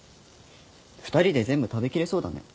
２人で全部食べきれそうだね。